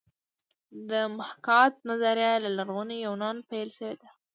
د محاکات نظریه له لرغوني یونانه پیل شوې ده